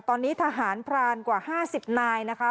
ตอนนี้ทหารพรานกว่า๕๐นายนะคะ